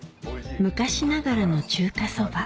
昔ながらの中華そば